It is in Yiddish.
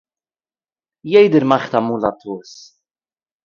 יעדער מאַכט אַמאָל אַ טעות